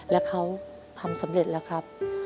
และเขาทำสำเร็จแล้วครับ